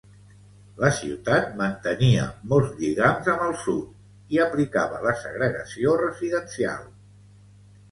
La ciutat mantenia molts lligams amb el sud i aplicava la segregació residencial.